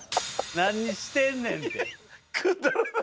何してんねんて。